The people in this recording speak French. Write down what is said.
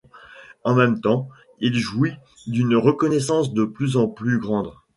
En même temps il jouit d'une reconnaissance de plus en plus grande.